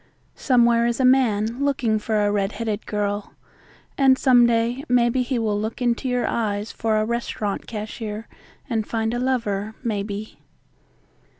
Somewhere is a man looking for a red headed girl and some day maybe he will look into your eyes for a restaurant cashier and find a lover, maybe.